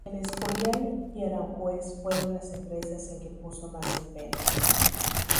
El Escorial y Aranjuez fueron las empresas en que puso más empeño.